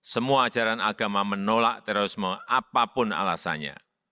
semua ajaran agama menolak terorisme apapun alasannya